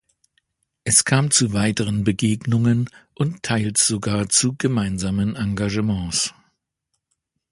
Es kam zu weiteren Begegnungen und teils sogar zu gemeinsamen Engagements.